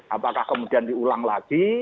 apakah kemudian diulang lagi